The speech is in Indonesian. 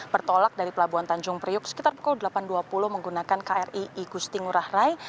bertolak dari pelabuhan tanjung priuk sekitar pukul delapan dua puluh menggunakan kri igusti ngurah rai